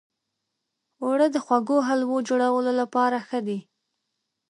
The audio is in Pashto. اوړه د خوږو حلوو جوړولو لپاره ښه دي